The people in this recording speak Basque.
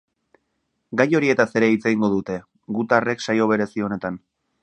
Gai horietaz ere hitz egingo dute gutarrek saio berezi honetan.